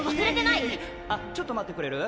あちょっと待ってくれる？